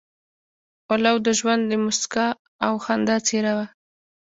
ولو د ژوند د موسکا او خندا څېره وه.